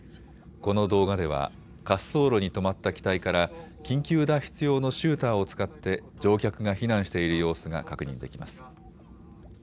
この動画では滑走路に止まった機体から緊急脱出用のシューターを使って乗客が避難している様子が確認できます。